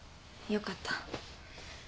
よかった。